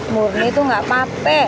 murni tuh gak apa apa